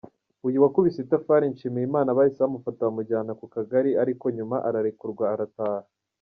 Uyu wakubise itafari Nshimiyimana bahise bamufata bamujyana ku kagari ariko nyuma ararekurwa arataha.